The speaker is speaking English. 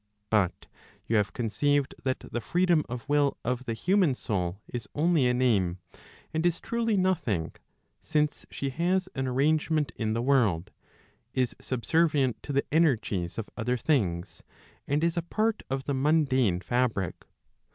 But you have conceived that the freedom ; S of will of the human soul is only a name, and is truly nothing, since she !' has an arrangement in the world, is subservient to the energies of other j • things, and is a part of the mundane fabric.